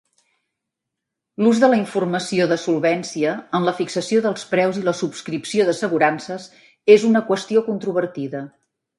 L'ús de la informació de solvència en la fixació dels preus i la subscripció d'assegurances és una qüestió controvertida.